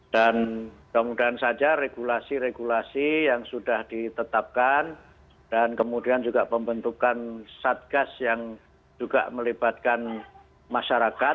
dan kemudian saja regulasi regulasi yang sudah ditetapkan dan kemudian juga pembentukan satgas yang juga melibatkan masyarakat